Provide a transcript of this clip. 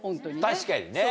確かにね。